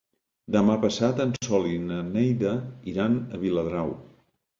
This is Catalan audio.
Demà passat en Sol i na Neida iran a Viladrau.